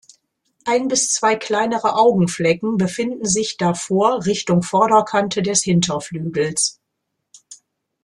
Ein bis zwei kleinere Augenflecken befinden sich davor Richtung Vorderkante des Hinterflügels.